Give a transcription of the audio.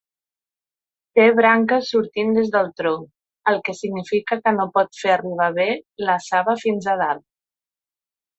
Té branques sortint des del tronc, el que significa que no pot fer arribar bé la saba fins a dalt.